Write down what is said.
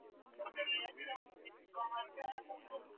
mkuu wa kikosi cha uokoaji grek hainis amesema hakuna yeyote